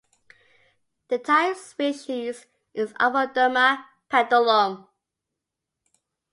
The type species is "Ophioderma pendulum".